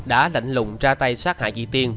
đã lệnh lùng ra tay sát hại chị tiên